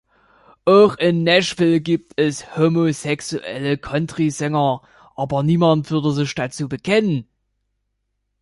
Auch in Nashville gibt es homosexuelle Countrysänger, aber niemand würde sich dazu bekennen.